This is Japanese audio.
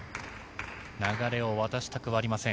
流れを渡したくはありません。